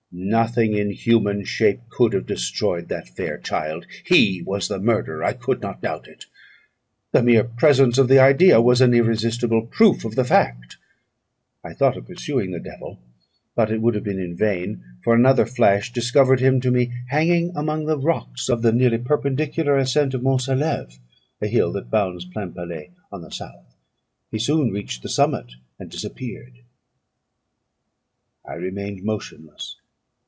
Nothing in human shape could have destroyed that fair child. He was the murderer! I could not doubt it. The mere presence of the idea was an irresistible proof of the fact. I thought of pursuing the devil; but it would have been in vain, for another flash discovered him to me hanging among the rocks of the nearly perpendicular ascent of Mont Salêve, a hill that bounds Plainpalais on the south. He soon reached the summit, and disappeared. I remained motionless.